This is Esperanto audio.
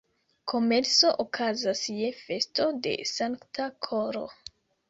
Kermeso okazas je festo de Sankta Koro.